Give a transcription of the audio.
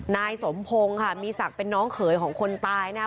นายสมพงศ์ค่ะมีศักดิ์เป็นน้องเขยของคนตายนะครับ